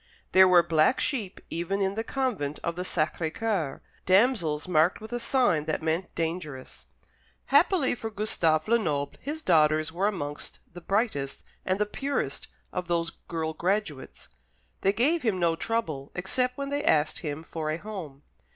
There were black sheep even in the convent of the Sacré Coeur, damsels marked with a sign that meant "dangerous." Happily for Gustave Lenoble, his daughters were amongst the brightest and the purest of those girl graduates. They gave him no trouble, except when they asked him for a home.